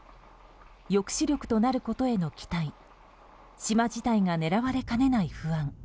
抑止力となることへの期待島自体が狙われかねない不安。